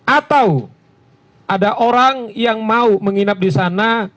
atau ada orang yang mau menginap di sana